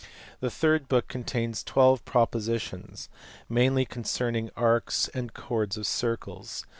The third book contains 12 propositions, mainly concerning arcs and chords of circles.